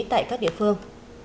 tại các địa phương